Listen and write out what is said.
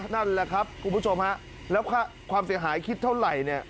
นั่นแหละครับคุณผู้ชมฮะแล้วค่าความเสียหายคิดเท่าไหร่เนี่ย